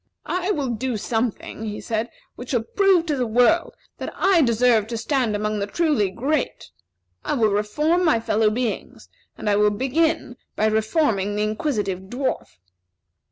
"I will do something," he said, "which shall prove to the world that I deserve to stand among the truly great. I will reform my fellow beings, and I will begin by reforming the Inquisitive Dwarf."